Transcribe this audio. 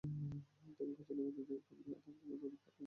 তখন কার্যালয়ের ভেতর থাকা কর্মীরা আতঙ্কে দৌড়ে পালিয়ে যাওয়ার চেষ্টা করেন।